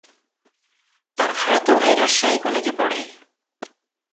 তার খালাতো ভাই রাজশাহী কলেজে পড়ে।